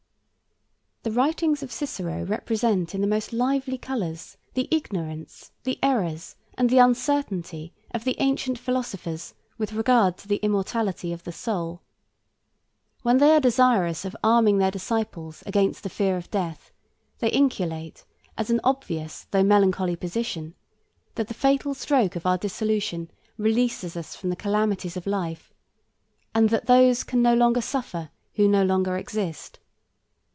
II. The writings of Cicero 51 represent in the most lively colors the ignorance, the errors, and the uncertainty of the ancient philosophers with regard to the immortality of the soul. When they are desirous of arming their disciples against the fear of death, they inculcate, as an obvious though melancholy position, that the fatal stroke of our dissolution releases us from the calamities of life; and that those can no longer suffer, who no longer exist.